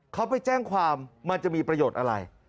เขาไปแจ้งความมันจะมีประโยชน์อะไร